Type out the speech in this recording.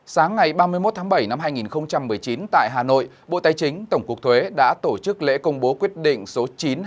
sáng ngày ba mươi một tháng bảy năm hai nghìn một mươi chín tại hà nội bộ tài chính tổng cục thuế đã tổ chức lễ công bố quyết định số chín trăm hai mươi